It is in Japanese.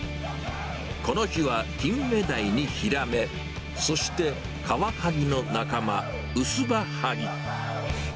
この日はキンメダイにヒラメ、そして、カワハギの仲間、ウスバハギ。